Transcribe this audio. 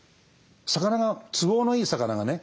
都合のいい魚がね